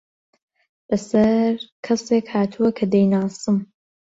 بەسەر کەسێک هاتووە کە دەیناسم.